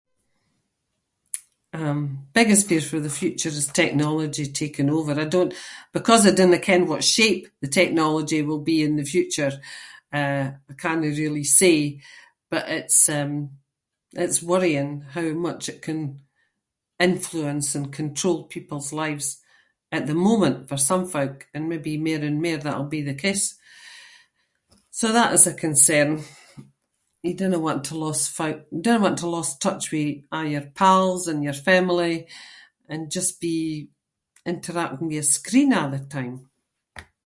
Um, biggest fear for the future is technology taking over. I don’t- because I dinna ken what shape the technology will be in the future, eh, I cannae really say but it’s, um, it’s worrying how much it can influence and control people’s lives- at the moment for some folk, and maybe mair and mair that'll be the case, so that is a concern. You dinna want to lose folk- you dinna want to lose touch with a’ your pals and your family and just be interacting with a screen a’ the time.